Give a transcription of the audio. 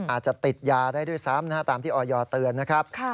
อาจจะติดยาได้ด้วยซ้ำตามที่ออยเตือนนะครับ